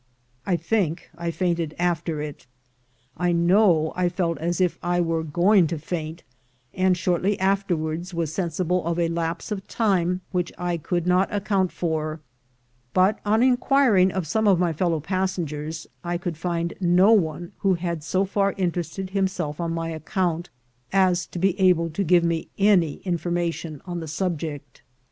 I think I fainted after it. I know I felt as if I were going to faint, and shortly afterwards was sensible of a lapse of time which I could not account for; but on inquir ing of some of my fellow passengers, I could find no one who had so far interested himself on my account as to be able to give me any information on the subject.